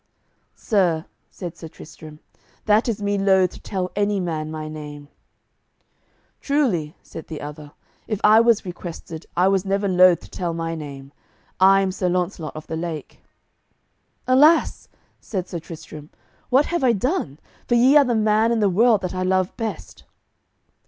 "Sir," said Sir Tristram, "that is me loath to tell any man my name." "Truly," said the other, "if I was requested, I was never loath to tell my name. I am Sir Launcelot of the Lake." "Alas," said Sir Tristram, "what have I done, for ye are the man in the world that I love best."